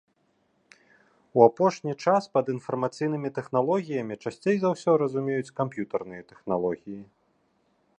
У апошні час пад інфармацыйнымі тэхналогіямі часцей за ўсё разумеюць камп'ютарныя тэхналогіі.